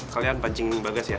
kalian pancingin bagas ya